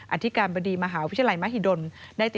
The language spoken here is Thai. อัตฑิการบริมหาวิทยาลัยมหิดลได้ติดต่อไป